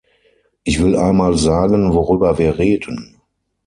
Ich will einmal sagen, worüber wir reden.